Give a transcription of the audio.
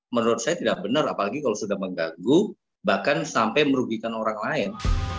menurut saya tidak benar apalagi kalau sudah mengganggu bahkan sampai merugikan orang lain